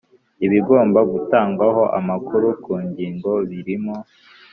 Ibigomba gutangwaho amakuru ku Kigo birimo